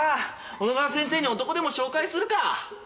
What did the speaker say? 小野川先生に男でも紹介するか。